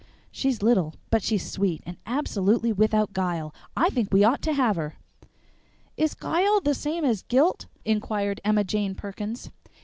She's little, but she's sweet, and absolutely without guile. I think we ought to have her." "Is 'guile' the same as 'guilt?" inquired Emma Jane Perkins.